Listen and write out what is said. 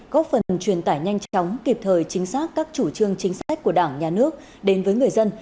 góp phần truyền tải nhanh chóng kịp thời chính xác các chủ trương chính sách của đảng nhà nước đến với người dân